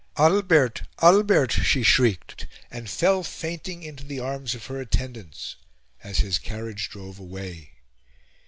"Albert! Albert!" she shrieked, and fell fainting into the arms of her attendants as his carriage drove away.